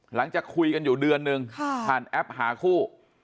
หลังจากคุยกันอยู่เดือนนึงผ่านแอปหาคู่